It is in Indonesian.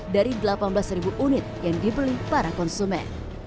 dari delapan belas unit yang dibeli para konsumen